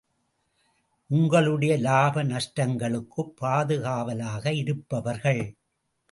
உங்களுடைய இலாப நஷ்டங்களுக்குப் பாதுகாவலாக இருப்பவர்கள்.